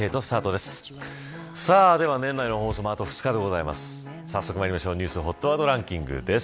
では、年内の放送もあと２日でございます。